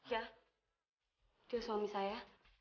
ya dia suami saya